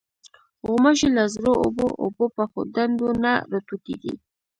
غوماشې له زړو اوبو، اوبو پخو ډنډو نه راټوکېږي.